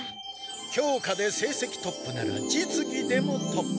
教科でせいせきトップなら実技でもトップ！